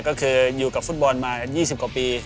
ก็คืออยู่กับฟุตบอลมากัน๒๐กว่าปี